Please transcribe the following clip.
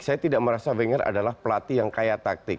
saya tidak merasa wenger adalah pelatih yang kaya taktik